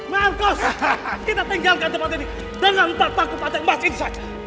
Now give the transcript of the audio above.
markus kita tinggalkan tempat ini dengan empat paku paku yang masih saja